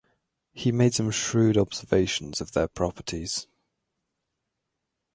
He made some shrewd observations of their properties.